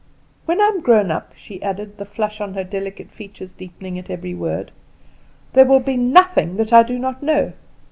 When I am grown up," she added, the flush on her delicate features deepening at every word, "there will be nothing that I do not know.